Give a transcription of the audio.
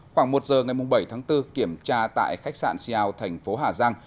khoảng một giờ ngày bảy tháng bốn kiểm tra tại khách sạn siao thành phố hà giang